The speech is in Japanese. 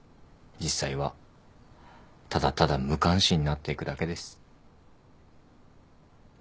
実際はただただ無関心になっていくだけです。